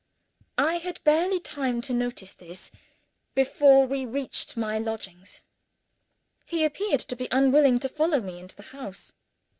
I had barely time to notice this, before we reached my lodgings. He appeared to be unwilling to follow me into the house.